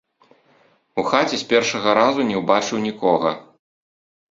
У хаце з першага разу не ўбачыў нікога.